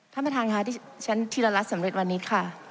ถ้าเมื่อทางฮะที่ฉันทีละลัดสำเร็จวันนี้ข้า